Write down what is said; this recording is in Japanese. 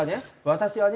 私はね